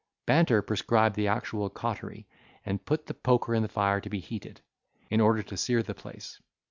Banter prescribed the actual cautery, and put the poker in the fire to be heated, in order to sear the place.